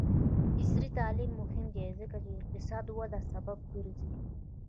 عصري تعلیم مهم دی ځکه چې اقتصادي وده سبب ګرځي.